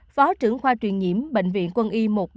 phó trưởng khoa truyền nhiễm bệnh viện quân y một trăm bảy mươi năm